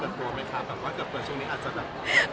กลัวไหมคะแบบว่าเกือบเปิดช่วงนี้อาจจะแบบ